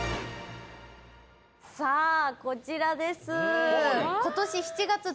さあこちらです。